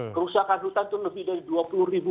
kerusakan hutan itu lebih dari dua puluh ribu